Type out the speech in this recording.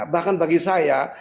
bahkan bagi saya